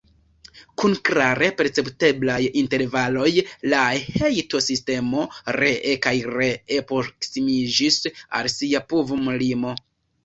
Kun klare percepteblaj intervaloj, la hejtosistemo ree kaj ree proksimiĝis al sia povum-limo.